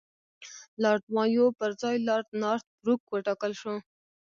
لارډ مایو پر ځای لارډ نارت بروک وټاکل شو.